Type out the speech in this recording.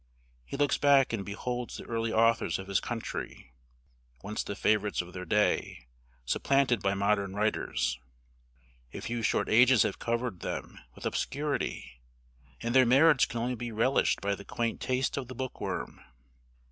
He looks back and beholds the early authors of his country, once the favorites of their day, supplanted by modern writers. A few short ages have covered them with obscurity, and their merits can only be relished by the quaint taste of the bookworm.